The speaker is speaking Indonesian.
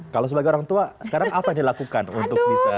kalau sebagai orang tua sekarang apa yang dilakukan untuk bisa